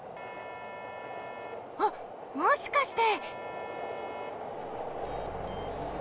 あっもしかして！